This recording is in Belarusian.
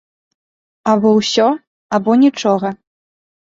Або ўсё, або нічога.